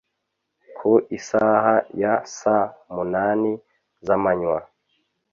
Ku isaha ya saa munani z’amanywa